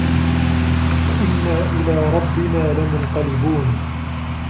وَإِنّا إِلى رَبِّنا لَمُنقَلِبونَ